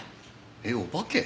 えっお化け？